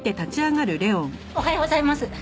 おはようございます。